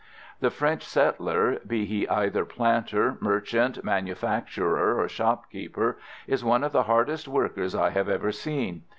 The French settler, be he either planter, merchant, manufacturer or shopkeeper, is one of the hardest workers I have ever seen.